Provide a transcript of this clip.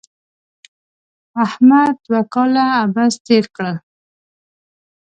احمد دوه کاله عبث تېر کړل.